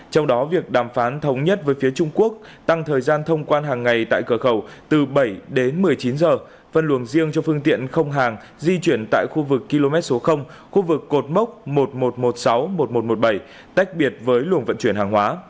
trong đó việc đàm phán thống nhất với phía trung quốc tăng thời gian thông quan hàng ngày tại cửa khẩu từ bảy đến một mươi chín giờ phân luồng riêng cho phương tiện không hàng di chuyển tại khu vực km số khu vực cột mốc một nghìn một trăm một mươi sáu một nghìn một trăm một mươi bảy tách biệt với luồng vận chuyển hàng hóa